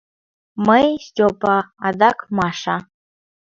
— Мый, Стёпа... адак Маша...